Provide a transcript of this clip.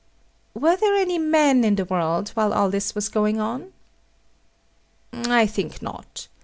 Were there any men in the world while all this was going on? I think not.